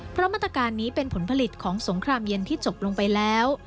เพราะมาตรการนี้เป็นผลผลิตของสงครามเย็นที่จบลงไปแล้ว